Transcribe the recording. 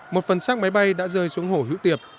một phần sát máy bay đã rơi xuống hồ hữu tiệp